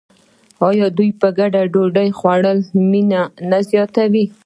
آیا په ګډه ډوډۍ خوړل مینه نه زیاتوي؟